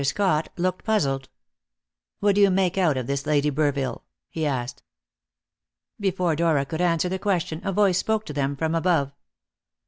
Scott looked puzzled. "What do you make out of this Lady Burville?" he asked. Before Dora could answer the question, a voice spoke to them from above.